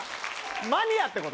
マニアってこと？